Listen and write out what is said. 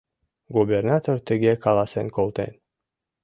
Губернатор тыге каласен колтен: